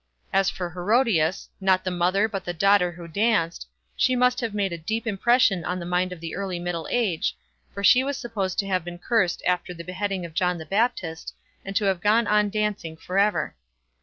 As for Herodias—not the mother, but the daughter who danced—she must have made a deep impression on the mind of the early Middle Age, for she was supposed to have been cursed after the beheading of John the Baptist, and to have gone on dancing for ever.